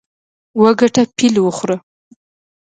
وګټه، پیل وخوره.